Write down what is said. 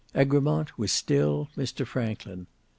Egremont was still Mr Franklin.